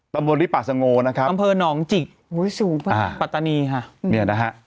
ตำบลลิปะสงโลนะครับอำเภอหนองจิกปัตตานีฮะนี่นะฮะ